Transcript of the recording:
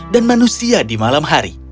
dan manusia di malam hari